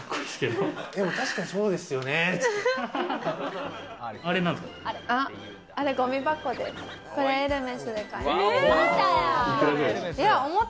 でも確かにそうですよねって。